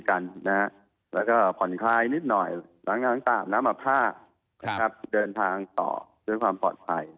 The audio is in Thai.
ก็ผ่อนคลายนิดหน่อยหลังตามน้ำอับผ้าครับเดินทางต่อด้วยความปลอดภัย